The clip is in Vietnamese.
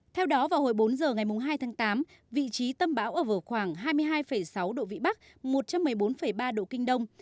theo đó vào hồi bốn giờ ngày hai tháng tám vị trí tâm bão ở vào khoảng hai mươi hai sáu độ vĩ bắc một trăm một mươi bốn ba độ kinh đông